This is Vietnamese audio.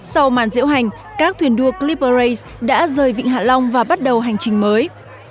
sau màn diễu hành các thuyền đua clip rây đã rời vịnh hạ long và bắt đầu hành trình mới